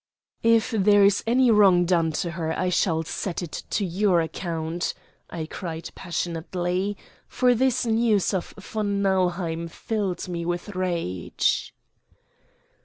"If there is any wrong done to her, I shall set it to your account," I cried passionately, for this news of von Nauheim filled me with rage.